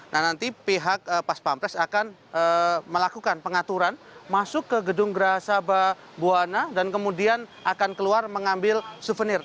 nah nanti pihak paspampres akan melakukan pengaturan masuk ke gedung geraha sabah buwana dan kemudian akan keluar mengambil souvenir